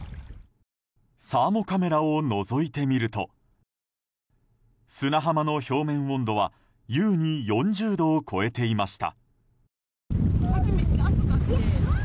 サーモカメラをのぞいてみると砂浜の表面温度は優に４０度を超えていました。